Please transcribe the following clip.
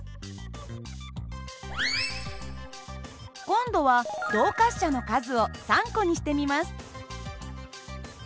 今度は動滑車の数を３個にしてみます。